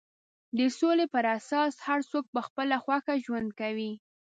د سولې پر اساس هر څوک په خپله خوښه ژوند کوي.